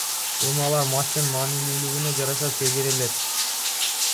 Эми алар матчтын маанилүүлүгүнө жараша чегерилет